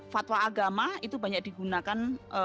fatwa agama itu banyak digunakan